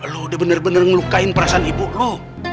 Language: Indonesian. lu udah bener bener ngelukain perasaan ibu lu